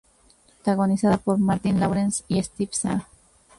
Protagonizada por Martin Lawrence y Steve Zahn.